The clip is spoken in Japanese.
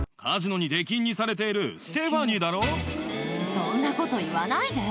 そんなこと言わないで。